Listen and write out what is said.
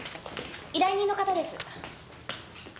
依頼人の方です。